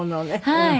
はい。